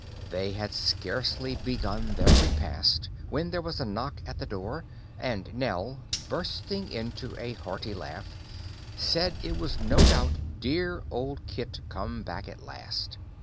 They had scarcely begun their repast when there was a knock at the door, and Nell, bursting into a hearty laugh, said it was no doubt dear old Kit come back at last.